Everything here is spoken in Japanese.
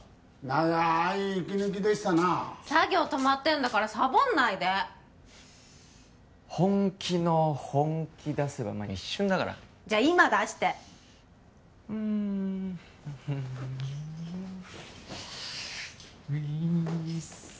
長い息抜きでしたな作業止まってんだからサボんないで本気の本気出せばまあ一瞬だからじゃあ今出してうーんフフういーっす